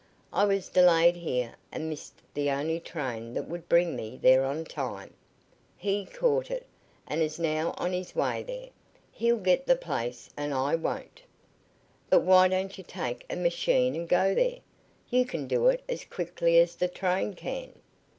I was delayed here and missed the only train that would bring me there on time. He caught it, and is now on his way there. He'll get the place and I won't." "But why don't you take a machine and go there? You can do it as quickly as the train can."